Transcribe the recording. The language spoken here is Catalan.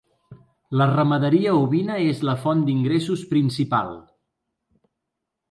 La ramaderia ovina és la font d'ingressos principal.